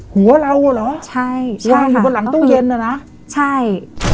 หัวเราเหรอใช่ใช่ค่ะวางอยู่บนหลังตู้เย็นอ่ะนะใช่